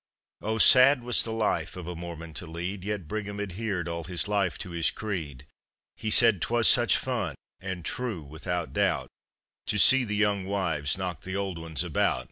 Oh, sad was the life of a Mormon to lead, Yet Brigham adhered all his life to his creed. He said 'twas such fun, and true, without doubt, To see the young wives knock the old ones about.